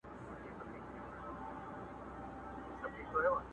لار چي کله سي غلطه له سړیو!!